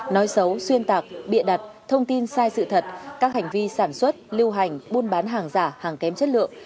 nói xấu xuyên tạc bịa đặt thông tin sai sự thật các hành vi sản xuất lưu hành buôn bán hàng giả hàng kém chất lượng